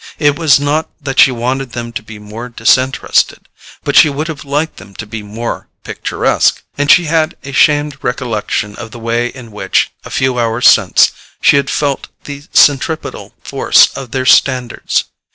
It was not that she wanted them to be more disinterested; but she would have liked them to be more picturesque. And she had a shamed recollection of the way in which, a few hours since, she had felt the centripetal force of their standards.